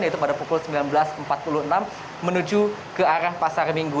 yaitu pada pukul sembilan belas empat puluh enam menuju ke arah pasar minggu